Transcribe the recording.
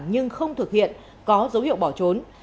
nhưng không thực hiện có dấu hiệu bỏ trốn